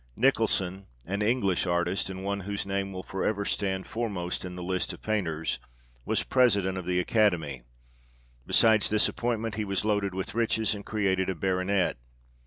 Nicholson, an English artist, and one whose name will for ever stand foremost in the list of painters, was the President of the Academy. Besides this appointment he was loaded with riches, and created a Baronet.